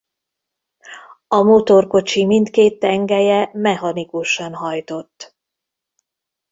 A motorkocsi mindkét tengelye mechanikusan hajtott.